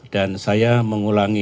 dan saya mengulangi